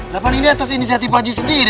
dapat ini atas inisiatif pak ji sendiri